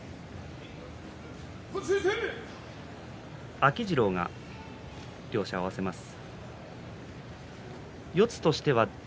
秋治郎が両者を合わせます。